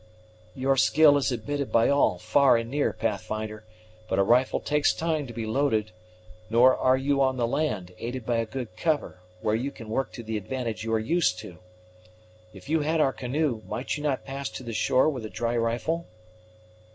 "Your skill is admitted by all, far and near, Pathfinder; but a rifle takes time to be loaded; nor are you on the land, aided by a good cover, where you can work to the advantage you are used to. If you had our canoe, might you not pass to the shore with a dry rifle?"